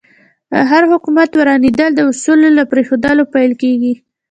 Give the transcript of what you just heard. د هر حکومت ورانېدل د اصولو له پرېښودلو پیل کېږي.